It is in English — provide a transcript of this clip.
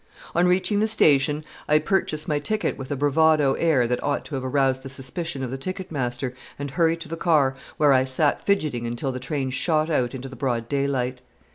On reaching the station I purchased my ticket with a bravado air that ought to have aroused the suspicion of the ticket master, and hurried to the car, where I sat fidgeting until the train shot out into the broad daylight.